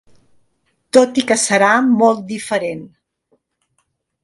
Tot i que serà molt diferent.